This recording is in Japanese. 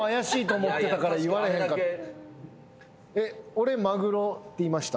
俺マグロって言いました。